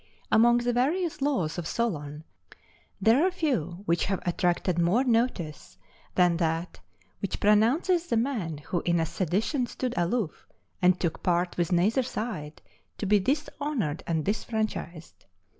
Among the various laws of Solon, there are few which have attracted more notice than that which pronounces the man who in a sedition stood aloof, and took part with neither side, to be dishonored and disfranchised.